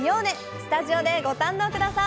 スタジオでご堪能下さい！